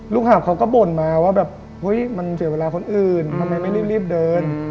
หาบเขาก็บ่นมาว่าแบบเฮ้ยมันเสียเวลาคนอื่นทำไมไม่รีบเดิน